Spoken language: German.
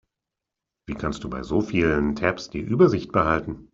Wie kannst du bei so vielen Tabs die Übersicht behalten?